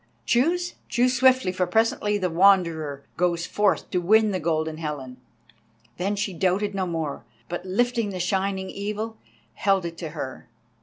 Choose, choose swiftly for presently the Wanderer goes forth to win the Golden Helen." Then she doubted no more, but lifting the shining Evil, held it to her.